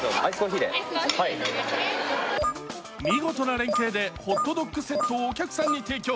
見事な連携でホットドックセットをお客さんに提供。